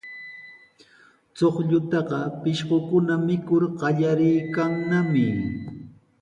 Chuqllataqa pishqukuna mikur qallariykannami.